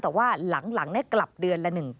แต่ว่าหลังได้กลับเดือนละหนึ่ง